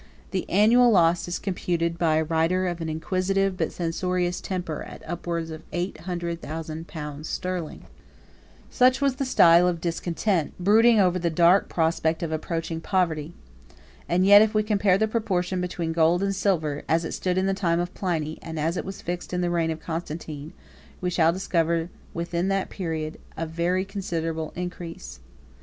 106 The annual loss is computed, by a writer of an inquisitive but censorious temper, at upwards of eight hundred thousand pounds sterling. 107 Such was the style of discontent, brooding over the dark prospect of approaching poverty. And yet, if we compare the proportion between gold and silver, as it stood in the time of Pliny, and as it was fixed in the reign of Constantine, we shall discover within that period a very considerable increase.